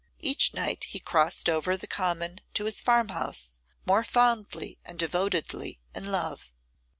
Each night he crossed over the common to his farmhouse more fondly and devotedly in love.